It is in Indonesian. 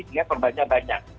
sehingga korbannya banyak